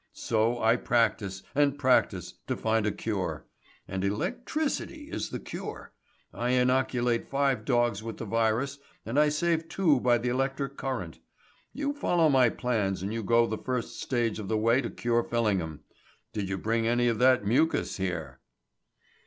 So I practise, and practise to find a cure. And electricity is the cure. I inoculate five dogs with the virus and I save two by the electric current. You follow my plans and you go the first stage of the way to cure Fillingham. Did you bring any of that mucous here?"